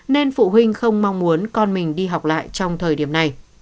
nên phụ huynh không mong muốn con mình đi học lại trong thời điểm này